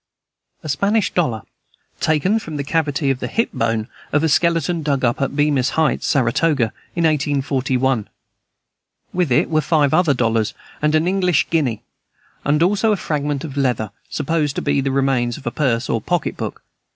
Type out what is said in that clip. A Spanish dollar, taken from the cavity of the hip bone of a skeleton dug up at Bemis's heights, Saratoga, in 1841. With it were five other dollars and an English guinea, and also a fragment of leather, supposed to be the remains of a purse or pocket book.